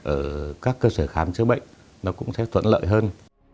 ở các cơ sở khám chữa bệnh nó cũng sẽ thuận lợi hơn